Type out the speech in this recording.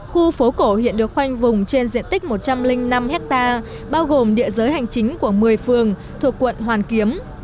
khu phố cổ hiện được khoanh vùng trên diện tích một trăm linh năm hectare bao gồm địa giới hành chính của một mươi phường thuộc quận hoàn kiếm